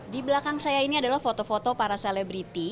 di belakang saya ini adalah foto foto para selebriti